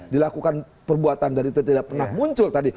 dilakukan perbuatan dari itu tidak pernah muncul tadi